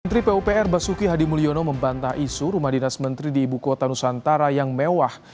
menteri pupr basuki hadi mulyono membantah isu rumah dinas menteri di ibu kota nusantara yang mewah